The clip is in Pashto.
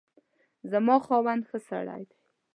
زما خاوند ښه سړی دی